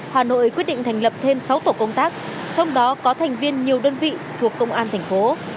hà nội quyết định thành lập thêm sáu tổ công tác trong đó có thành viên nhiều đơn vị thuộc công an thành phố